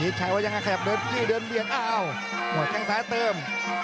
พี่ชายยังคะแคงไซด์อาเติม